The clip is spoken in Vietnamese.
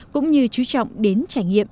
cũng như chú trọng đến trải nghiệm